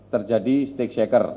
terjadi stick shaker